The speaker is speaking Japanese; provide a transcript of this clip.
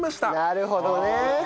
なるほどね。